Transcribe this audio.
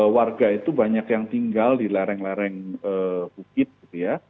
warga itu banyak yang tinggal di lereng lereng bukit gitu ya